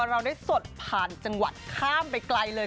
เราได้สดผ่านจังหวัดข้ามไปไกลเลย